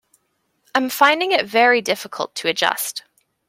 I'm finding it very difficult to adjust